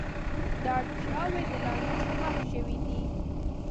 دا اړتیاوې د لانجو سبب شوې دي.